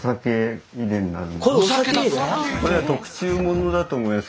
これは特注ものだと思います。